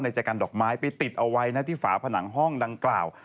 จะกันดอกไม้ไปติดเอาไว้นะที่ฝาผนังห้องดังกล่าว